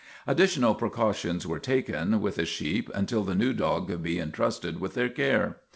Additional precautions were taken with the sheep until the new dog could be intrusted with their care.